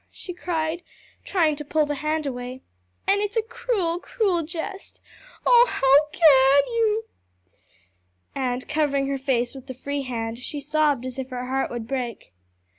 she cried, trying to pull the hand away, "and it's a cruel, cruel jest! Oh how can you!" and covering her face with the free hand, she sobbed as if her heart would break.